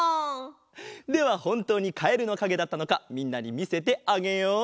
ではほんとうにカエルのかげだったのかみんなにみせてあげよう！